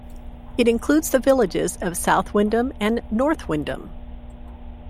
It includes the villages of South Windham and North Windham.